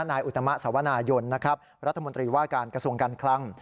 นายอุตมะสวนายนรัฐมนตรีว่าการกระทรวงการคลัง